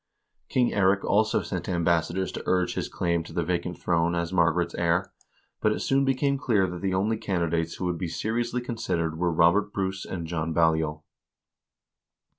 King Eirik also sent ambassadors to urge his claim to the vacant throne as Margaret's heir, but it soon became clear that the only candidates who would be seriously considered were Robert Bruce and John Balliol.